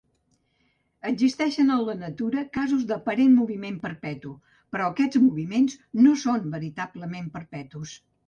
Existeixen en la natura casos d'aparent moviment perpetu, però aquests moviments no són veritablement perpetus.